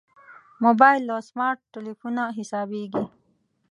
موبایل له سمارټ تلېفونه حسابېږي.